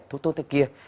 tốt cái kia